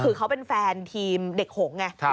คือเขาเป็นแฟนทีมเด็กหงไง